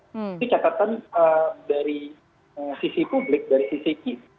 jadi catatan dari sisi publik dari sisi